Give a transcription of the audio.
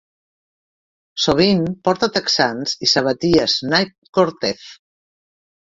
Sovint porta texans i sabatilles Nike Cortez.